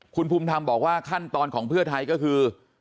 คุณภูมิธรรมบอกว่าขั้นตอนของเพื่อไทยก็คือ